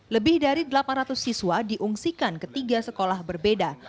lebih dari delapan ratus siswa diungsikan ke tiga sekolah berbeda